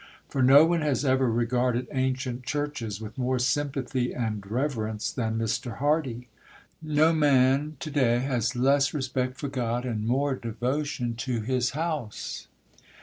For no one has ever regarded ancient churches with more sympathy and reverence than Mr. Hardy. No man to day has less respect for God and more devotion to His house.